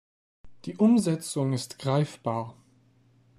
Die Umsetzung ist greifbar.